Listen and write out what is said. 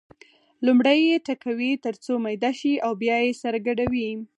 لومړی یې ټکوي تر څو میده شي او بیا یې سره ګډوي.